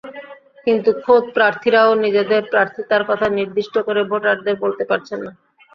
কিন্তু খোদ প্রার্থীরাও নিজেদের প্রার্থিতার কথা নির্দিষ্ট করে ভোটারদের বলতে পারছেন না।